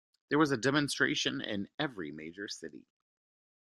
There was a demonstration in every major city.